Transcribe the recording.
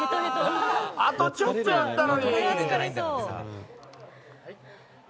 あとちょっとやったのに！